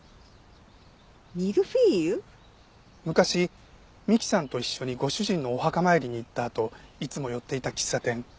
昔美希さんと一緒にご主人のお墓参りに行ったあといつも寄っていた喫茶店。